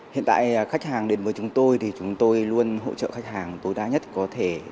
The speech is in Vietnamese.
hiện tại khách hàng đến với chúng tôi thì chúng tôi luôn hỗ trợ khách hàng tối đa nhất có thể